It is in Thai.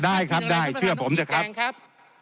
ได้ครับได้เชื่อผมจะครับ